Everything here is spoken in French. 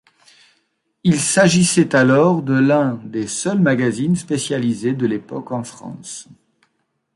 Il s'agissait alors de l'un des seuls magazines spécialisés de l'époque en France.